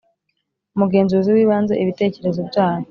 Umugenzuzi w ibanze ibitekerezo byabo